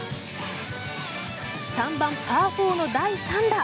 ３番、パー４の第３打。